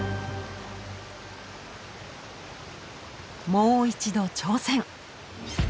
もう一度挑戦！